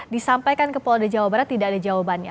disampaikan ke polda jawa barat tidak ada jawabannya